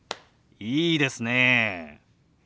いいですねえ。